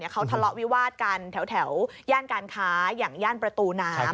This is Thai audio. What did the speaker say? เขาทะเลาะวิวาดกันแถวย่านการค้าอย่างย่านประตูน้ำ